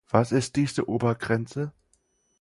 Was ist diese Obergrenze?